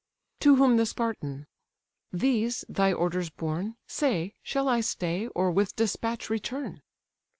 To whom the Spartan: "These thy orders borne, Say, shall I stay, or with despatch return?"